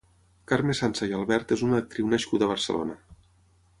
Carme Sansa i Albert és una actriu nascuda a Barcelona.